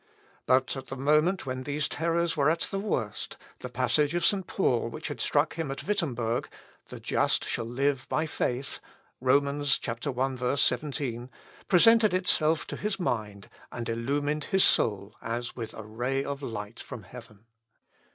But at the moment when these terrors were at the worst, the passage of St. Paul which had struck him at Wittemberg, "The just shall live by faith," (Rom., i, 17,) presented itself to his mind, and illumined his soul as with a ray of light from heaven.